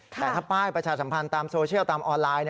แต่ถ้าป้ายประชาสัมพันธ์ตามโซเชียลตามออนไลน์